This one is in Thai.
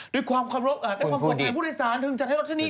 ด้วยความขอบรับได้ความผลดีพูดในสารถึงจัดให้รถที่นี้